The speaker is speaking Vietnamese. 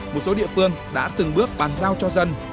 một số địa phương đã từng bước bàn giao cho dân